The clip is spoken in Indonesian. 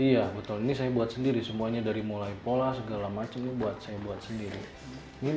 iya betul ini saya buat sendiri semuanya dari mulai pola segala macem buat saya buat sendiri